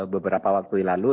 beberapa waktu lalu